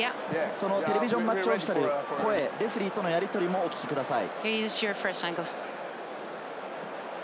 テレビジョン・マッチ・オフィシャル、レフェリーとのやり取りもお聞きください。